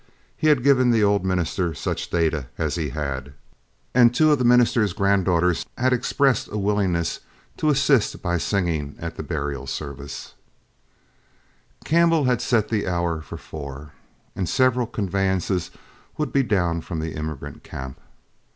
He had given the old minister such data as he had, and two of the minister's granddaughters had expressed a willingness to assist by singing at the burial services. Campbell had set the hour for four, and several conveyances would be down from the emigrant camp.